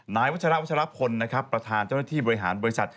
นายวัชระวัชรพลนะครับประธานเจ้าหน้าที่บริหารบริษัท